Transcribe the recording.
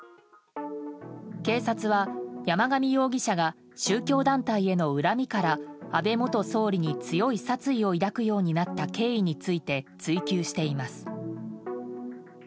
警察は山上容疑者が宗教団体への恨みから安倍元総理に強い殺意を抱くようになった経緯について追及しています。